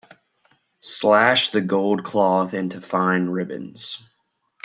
Slash the gold cloth into fine ribbons.